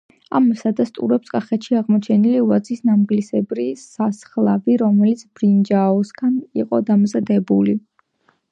ამას ადასტურებს კახეთში აღმოჩენილი ვაზის ნამგლისებრი სასხლავი, რომელიც ბრინჯაოსაგან იყო დამზადებული.